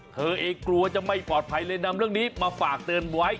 เธอเองกลัวจะไม่ปลอดภัยเลยนำเรื่องนี้มาฝากเตือนไว้